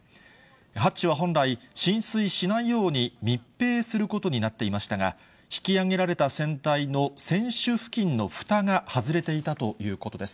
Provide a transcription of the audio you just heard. ハッチは本来、浸水しないように密閉することになっていましたが、引き揚げられた船体の船首付近のふたが外れていたということです。